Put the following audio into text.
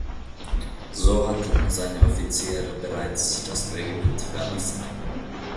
So hatten seine Offiziere bereits das Regiment verlassen.